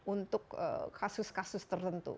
untuk kasus kasus tertentu